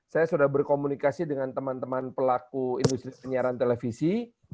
saya sudah berkomunikasi dengan teman teman pelaku industri penyiaran televisi